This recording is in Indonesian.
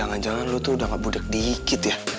jangan jangan lu tuh udah gak budek dikit ya